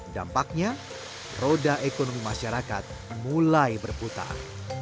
dampaknya roda ekonomi masyarakat mulai berputar